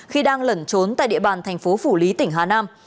khi đang lẩn trốn tại địa bàn thành phố phủ lý tỉnh hà nam